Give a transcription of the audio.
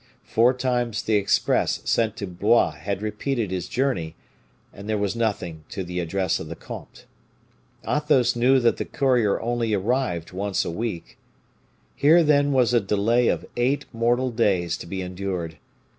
Four times the express sent to Blois had repeated his journey, and there was nothing to the address of the comte. Athos knew that the courier only arrived once a week. Here, then, was a delay of eight mortal days to be endured.